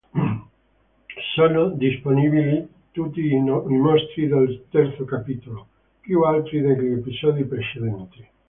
Sono disponibili tutti i mostri del terzo capitolo, più altri degli episodi precedenti.